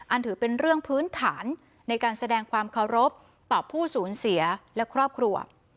ถือเป็นเรื่องพื้นฐานในการแสดงความเคารพต่อผู้สูญเสียและครอบครัว